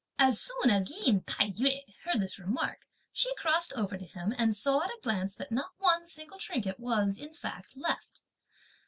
As soon as Lin Tai yü heard this remark, she crossed over to him and saw at a glance that not one single trinket was, in fact, left.